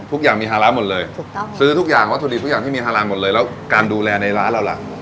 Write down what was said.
ทุกอย่างมีฮาร้านหมดเลยถูกต้องซื้อทุกอย่างวัตถุดิบทุกอย่างที่มีฮารานหมดเลยแล้วการดูแลในร้านเราล่ะ